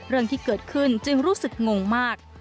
เรื่องที่เกิดขึ้นจึงรู้สึกงงมาก